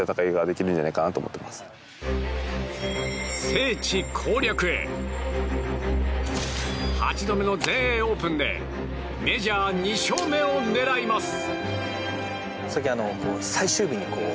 聖地攻略へ８度目の全英オープンでメジャー２勝目を狙います。